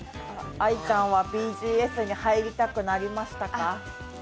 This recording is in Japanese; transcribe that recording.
愛ちゃんはＢＧＳに入りたくなりましたか？